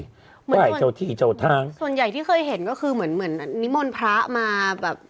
ผู้ใหญ่เจ้าที่เจ้าทางส่วนใหญ่ที่เคยเห็นก็คือเหมือนเหมือนนิมนต์พระมาแบบ